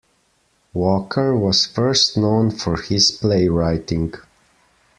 Walker was first known for his playwriting.